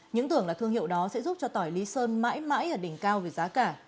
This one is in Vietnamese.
những tưởng là thương hiệu đó sẽ giúp cho tỏi lý sơn mãi mãi ở đỉnh cao về giá cả